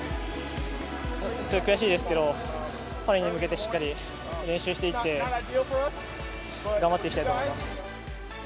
すごい悔しいですけど、パリに向けてしっかり練習していって、頑張っていきたいと思います。